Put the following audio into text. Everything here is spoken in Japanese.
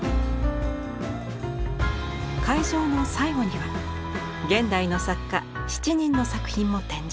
会場の最後には現代の作家７人の作品も展示。